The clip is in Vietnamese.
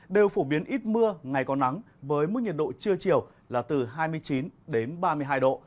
đều phổ biến ít mưa ngày có nắng với mức nhiệt độ trưa chiều là từ hai mươi chín đến ba mươi hai độ